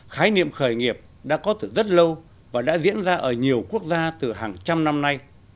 khái niệm khởi nghiệp đã có từ rất lâu và đã diễn ra ở nhiều quốc gia từ hàng trăm năm nay